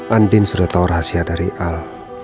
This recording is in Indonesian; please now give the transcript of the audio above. andin sudah tahu rahasia dari al